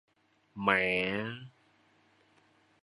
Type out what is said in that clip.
Mẹ